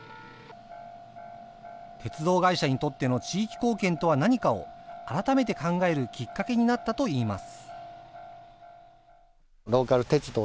鉄道会社にとっての地域貢献とは何かを改めて考えるきっかけになったといいます。